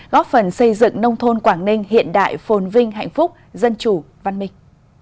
góp phần xây dựng nông thôn quảng ninh hiện đại phồn vinh hạnh phúc dân chủ văn minh